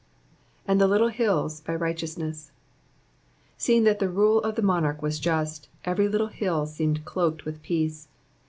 ''''And the little hills^ by right€oumes8,''^ Seeing that the rule of the monarch was just, every little hill seemed clothed with peace.